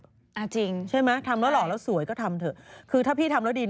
จริงใช่ไหมทำแล้วหล่อแล้วสวยก็ทำเถอะคือถ้าพี่ทำแล้วดี